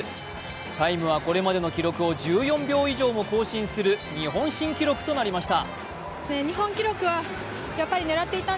タイムはこれまでの記録を１４秒以上も更新する日本記録となりました。